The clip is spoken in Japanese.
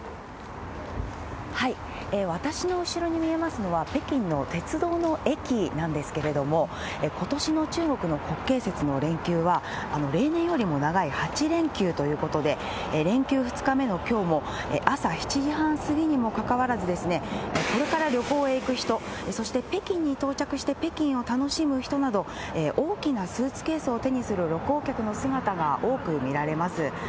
私の後ろに見えますのは、北京の鉄道の駅なんですけれども、ことしの中国の国慶節の連休は、例年よりも長い８連休ということで、連休２日目のきょうも、朝７時半過ぎにもかかわらずですね、これから旅行へ行く人、そして北京に到着して北京を楽しむ人など、大きなスーツケースを手にする旅行客の姿が多く見られます。